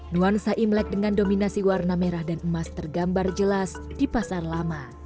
nuansa imlek dengan dominasi warna merah dan emas tergambar jelas di pasar lama